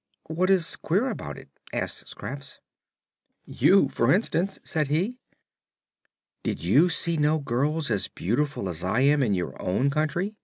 "What is queer about it?" asked Scraps. "You, for instance," said he. "Did you see no girls as beautiful as I am in your own country?"